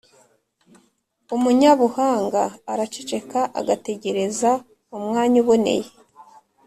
Umunyabuhanga araceceka agategereza umwanya uboneye,